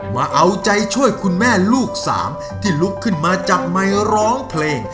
มาเอาใจช่วยคุณแม่ลูกสามที่ลุกขึ้นมาจับไมค์ร้องเพลง